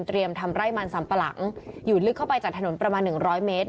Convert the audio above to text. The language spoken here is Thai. ทำไร่มันสัมปะหลังอยู่ลึกเข้าไปจากถนนประมาณ๑๐๐เมตร